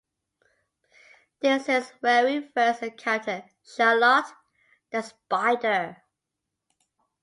This is where we first encounter Charlotte, the spider.